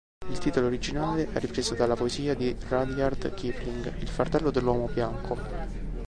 Il titolo originale è ripreso dalla poesia di Rudyard Kipling "Il fardello dell'uomo bianco".